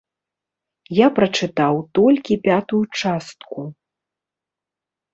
Я прачытаў толькі пятую частку.